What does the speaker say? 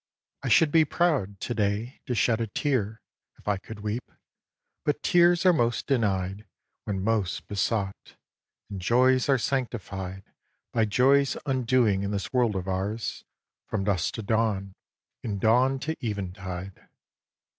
I should be proud, to day, to shed a tear If I could weep. But tears are most denied When most besought; and joys are sanctified By joys' undoing in this world of ours From dusk to dawn and dawn to eventide.